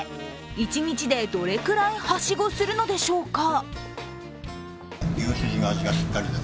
一日でどれくらいはしごするのでしょうか？